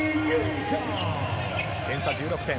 点差１６点。